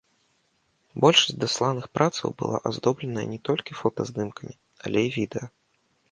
Большасць дасланых працаў была аздобленая не толькі фотаздымкамі, але і відэа.